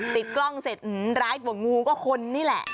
ติดกล้องเสร็จร้ายกว่างูก็คนนี่แหละ